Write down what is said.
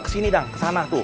kesini dang kesana tuh